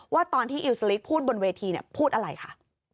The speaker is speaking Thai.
ว่าตอนที่อิวสลิกพูดบนเวทีพูดอะไรคะ